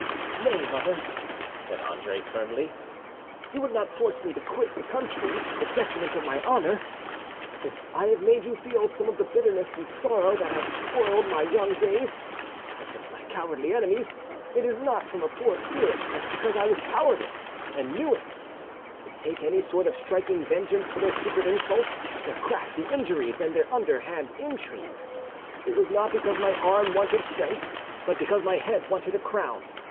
"Nay, mother," said Andre firmly, "you would not force me to quit the country to the detriment of my honour. If I have made you feel some of the bitterness and sorrow that have spoiled my own young days because of my cowardly enemies, it is not from a poor spirit, but because I was powerless, and knew it, to take any sort of striking vengeance for their secret insults, their crafty injuries, their underhand intrigues. It was not because my arm wanted strength, but because my head wanted a crown.